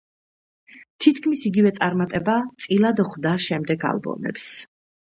თითქმის იგივე წარმატება წილად ხვდა შემდეგ ალბომებს.